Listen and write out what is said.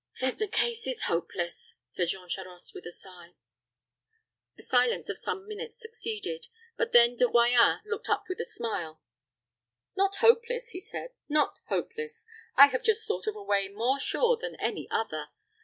"Then the case is hopeless," said Jean Charost, with a sigh. A silence of some minutes succeeded; but then De Royans looked up with a smile. "Not hopeless," he said, "not hopeless. I have just thought of a way more sure than any other.